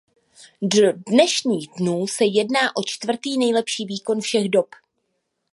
Do dnešních dnů se jedná o čtvrtý nejlepší výkon všech dob.